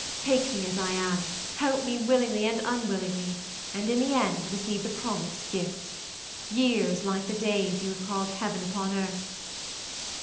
Take me as I am; help me willingly and unwillingly; and in the end receive the promised gift years like the days you have called heaven upon earth.